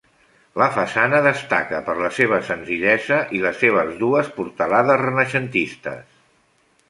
La façana destaca per la seva senzillesa i les seves dues portalades renaixentistes.